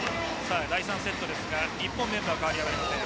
第３セットは日本メンバー変わりありません。